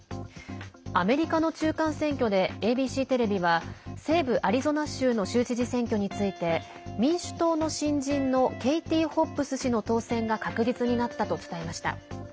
アメリカの中間選挙でＡＢＣテレビは西部アリゾナ州の州知事選挙について民主党の新人のケイティ・ホッブス氏の当選が確実になったと伝えました。